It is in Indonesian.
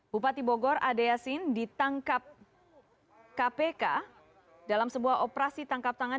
bupati bogor ade yasin ditangkap kpk dalam sebuah operasi tangkap tangan